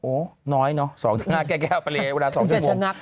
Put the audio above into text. โอ้น้อยเนอะ๒๕แก้วแก้วปริมาณ๒ชั่วโมง